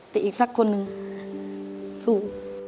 แต่อีกสักคนหนึ่งสู้